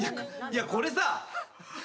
いやこれさ。